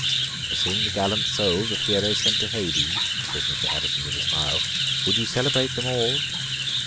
"To sing the gallant souls of heroes sent to Hades!" says Mr. Addison, with a smile. "Would you celebrate them all?